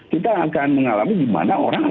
kita akan mengalami gimana orang